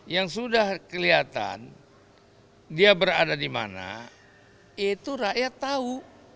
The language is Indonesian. yang sudah kelihatan dia berada di mana itu rakyat tahu